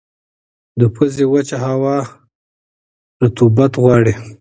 د پوزې وچه هوا رطوبت غواړي.